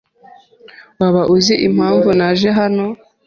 Waba uzi impamvu naje hano?